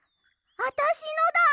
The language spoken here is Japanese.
あたしのだ！